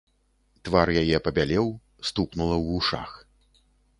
Твар яе пабялеў, стукнула ў вушах.